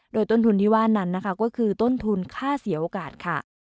โดยต้นทุนที่ว่านั้นนะคะก็คือต้นทุนค่าเสียโอกาสค่ะ